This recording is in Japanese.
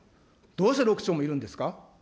どうして６兆もいるんですか。